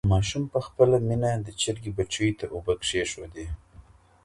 ماشوم په خپله مینه د چرګې بچیو ته اوبه کېښودې.